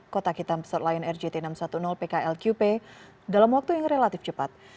kotak hitam pesawat lion air jt enam ratus sepuluh pklqp dalam waktu yang relatif cepat